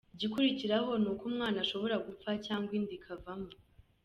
Igikurikiraho ni uko umwana ashobora gupfa cyangwa inda ikavamo.